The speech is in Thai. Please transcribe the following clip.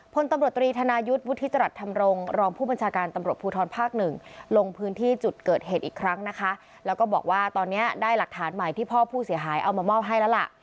พลตำรวจตรีธนายุทธ์วุฒิจรัสธรรมรงครองผู้บัญชาการตำรวจภูทรภาคหนึ่งลงพื้นที่จุดเกิดเหตุอีกครั้งนะคะแล้วก็บอกว่าตอนนี้ได้หลักฐานใหม่ที่พ่อผู้เสียหายเอามามอบให้แล้วล่ะ